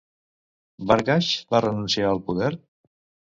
Barghash va renunciar al poder?